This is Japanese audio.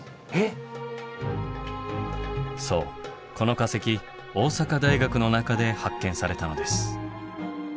そうこの化石大阪大学の中で発見されたのです。